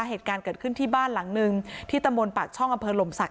เหตุการณ์เกิดขึ้นที่บ้านหลังนึงที่ตะมนต์ปากช่องอำเภอหลมศักด